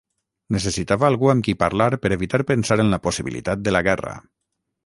Necessitava algú amb qui parlar per evitar pensar en la possibilitat de la guerra.